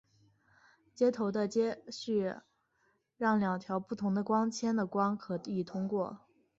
接头的接续让两条不同的光纤的光可以通过。